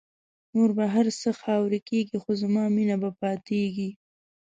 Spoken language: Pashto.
نور به هر څه خاوری کېږی خو زما مینه به پاتېږی